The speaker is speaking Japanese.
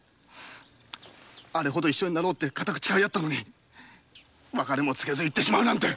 あれほど一緒になろうと誓い合っていたのに別れも告げずに行ってしまうなんて。